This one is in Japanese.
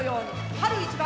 「春一番」